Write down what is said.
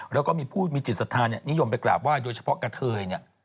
แล้วก็มีผู้มีจิตศาสตร์เนี่ยนิยมไปกราบว่าโดยเฉพาะกะเทยเนี่ย